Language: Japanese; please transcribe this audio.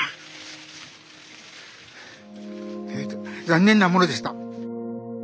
残念なものでした。